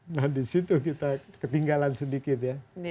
nah disitu kita ketinggalan sedikit ya